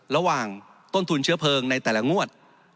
ระหว่างต้นทุนเชื้อเพลิงในแต่ละงวด